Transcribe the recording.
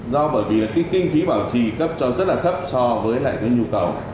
do bởi vì kinh phí bảo trì cấp cho rất là thấp so với nhu cầu